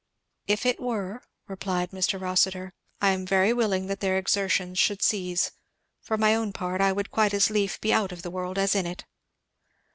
"If it were," replied Mr. Rossitur, "I am very willing that their exertions should cease. For my own part I would quite as lief be out of the world as in it."